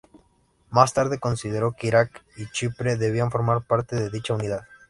Más tarde consideró que Iraq y Chipre debían formar parte de dicha unidad.